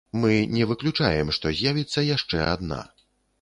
Мы не выключаем, што з'явіцца яшчэ адна!